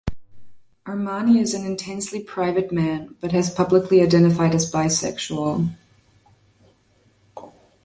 Armani is an intensely private man, but has publicly identified as bisexual.